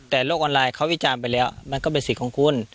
แต่โลกออนไลน์เขาวิจารณ์ไปแล้วมันก็เป็นสิทธิ์ของคุณ